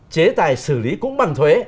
chế tài xử lý cũng bằng thuế